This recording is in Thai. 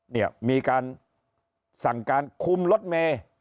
เนี่ยมีการสั่งการคุมรถเมย์